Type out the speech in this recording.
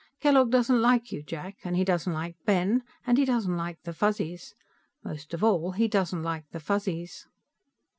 Kellogg doesn't like you, Jack and he doesn't like Ben, and he doesn't like the Fuzzies. Most of all he doesn't like the Fuzzies."